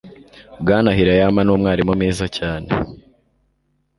Bwana Hirayama numwarimu mwiza cyane.